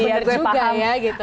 oh bener juga ya gitu